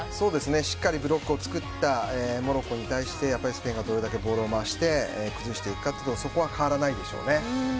しっかりブロックを作ったモロッコに対してスペインがどれだけボールを回して、崩していくかというそこは変わらないでしょうね。